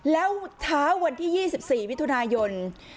แล้วเช้าวันที่๒๔มิถุนายน